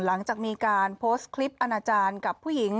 หลังจากมีการโพสต์คลิปอาณาจารย์กับผู้หญิง